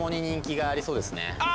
あ！